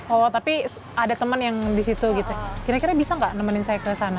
oh tapi ada teman yang di situ gitu kira kira bisa nggak nemenin saya ke sana